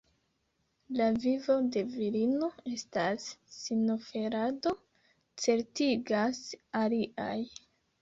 La vivo de virino estas sinoferado, certigas aliaj.